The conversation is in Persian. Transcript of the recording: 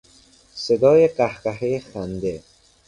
صدای قهقه خنده